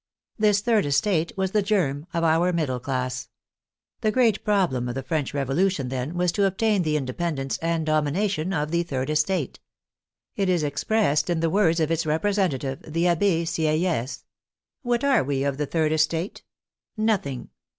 This third estate was the germ of our middle class. The great problem of the French Revolution, then, was to obtain the inde pendence and domination of the third estate. It is ex pressed in the words of its representative, the Abbe Sieyes: "What are we of the third estate? Nothing.